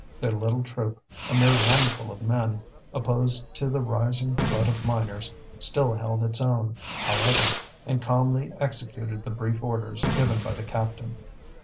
Their little troop a mere handful of men opposed to the rising flood of miners, still held its own, however, and calmly executed the brief orders given by the captain.